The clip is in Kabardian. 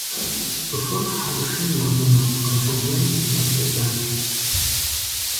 ЦӀыхур хьэршым и гъунапкъэ жыжьэхэм нэплъысащ.